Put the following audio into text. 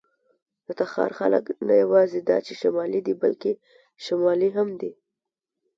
د تخار خلک نه یواځې دا چې شمالي دي، بلکې شمالي هم دي.